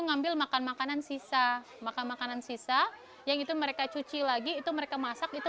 ngambil makan makanan sisa makan makanan sisa yang itu mereka cuci lagi itu mereka masak itu